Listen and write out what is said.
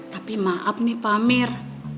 tapi maaf nih pak amir